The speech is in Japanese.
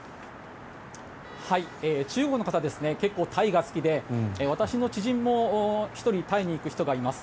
中国の方は結構、タイが好きで私の知人も１人タイに行く人がいます。